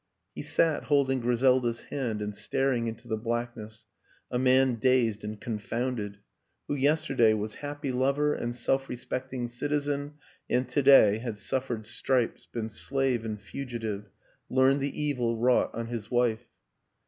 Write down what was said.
He sat holding Griselda's hand and staring into the blackness, a man dazed and con founded ; who yesterday was happy lover and self respecting citizen and to day had suffered stripes, been slave and fugitive, learned the evil wrought on his wife.